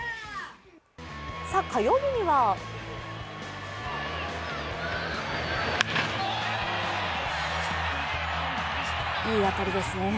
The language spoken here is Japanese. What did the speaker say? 火曜日にはいい当たりですね。